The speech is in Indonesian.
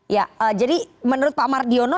ya jadi menurut pak mardiono